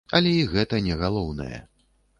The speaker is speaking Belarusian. Але і гэта не галоўнае.